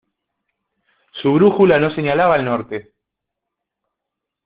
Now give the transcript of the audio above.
Su brújula no señalaba el norte.